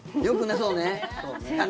よくないそうね。